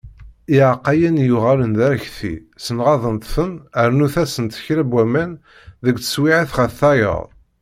Iεeqqayen i yuγalen d arekti, senγadent-ten, rennunt-asen kra n waman deg teswiεet γer tayeḍ.